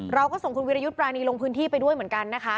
เราก็ส่งคุณวิรยุทธ์ปรานีลงพื้นที่ไปด้วยเหมือนกันนะคะ